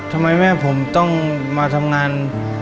ทำไมแม่ผมต้องมาทำงาน